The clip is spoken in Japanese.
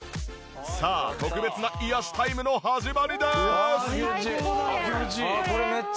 さあ特別な癒やしタイムの始まりです！